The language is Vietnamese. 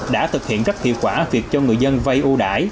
đã thực hiện rất hiệu quả việc cho người dân vây ưu đải